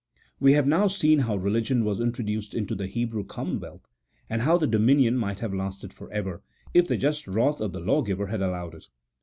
We have now seen how religion was introduced into the Hebrew commonwealth, and how the dominion might have lasted for ever, if the just wrath of the Lawgiver had allowed it.